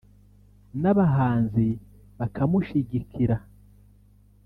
n’abahanzi bakamushigikira